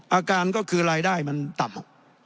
อาการก็คือรายได้มันต่ำ